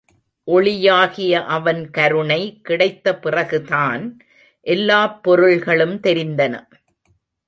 ஒளியாகிய அவன் கருணை கிடைத்த பிறகுதான் எல்லாப் பொருள்களும் தெரிந்தன.